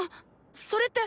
それって。